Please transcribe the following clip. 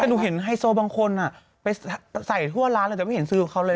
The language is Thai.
แต่หนูเห็นไฮโซบางคนไปใส่ทั่วร้านเลยแต่ไม่เห็นซื้อกับเขาเลย